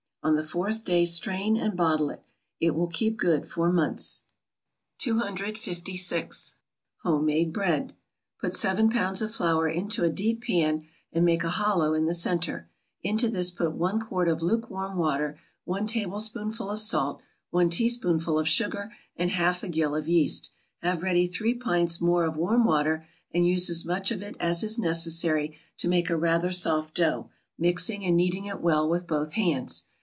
On the fourth day strain and bottle it; it will keep good for months. 256. =Homemade Bread.= Put seven pounds of flour into a deep pan, and make a hollow in the centre; into this put one quart of luke warm water, one tablespoonful of salt, one teaspoonful of sugar, and half a gill of yeast; have ready three pints more of warm water, and use as much of it as is necessary to make a rather soft dough, mixing and kneading it well with both hands.